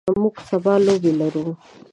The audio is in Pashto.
موږ سبا لوبې لرو.